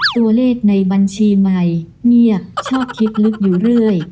ตัวเลขในบัญชีใหม่เนี่ยชอบคิดลึกอยู่เรื่อย